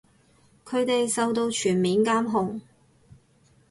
佢哋受到全面監控